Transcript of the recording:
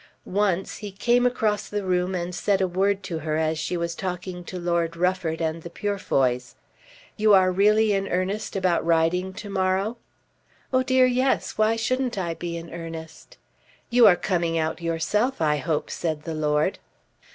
Once he came across the room and said a word to her as she was talking to Lord Rufford and the Purefoys. "You are really in earnest about riding to morrow." "Oh dear, yes. Why shouldn't I be in earnest?" "You are coming out yourself I hope," said the Lord.